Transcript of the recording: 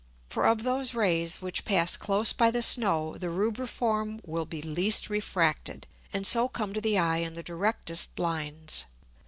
For of those Rays which pass close by the Snow the Rubriform will be least refracted, and so come to the Eye in the directest Lines.